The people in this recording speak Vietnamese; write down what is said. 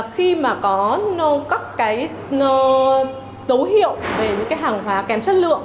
khi mà có các cái dấu hiệu về những cái hàng hóa kém chất lượng